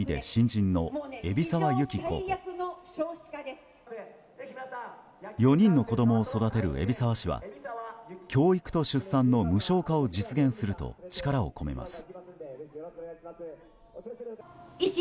４人の子供を育てる海老沢氏は教育と出産の無償化を実現すると力を込めます。